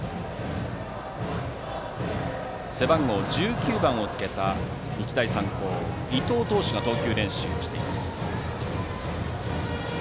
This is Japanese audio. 背番号１９番をつけた日大三高、伊藤投手が投球練習をしています。